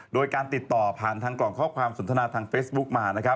โดยการติดต่อผ่านทางกล่องข้อความสนทนาทางเฟซบุ๊กมา